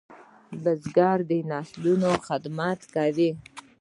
بزګر د نسلونو خدمت کوي